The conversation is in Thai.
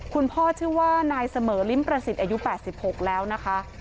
คุณพ่อชื่อว่านายเสมอลิมประสิทธิ์อายุแปดสิบหกแล้วนะคะ